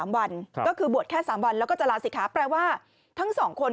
๓วันก็คือบวชแค่๓วันแล้วก็จะลาศิกขาแปลว่าทั้งสองคน